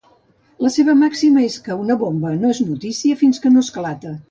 La seva màxima és que una bomba no és notícia fins que no esclata.